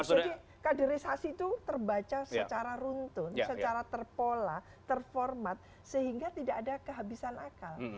kaderisasi itu terbaca secara runtun secara terpola terformat sehingga tidak ada kehabisan akal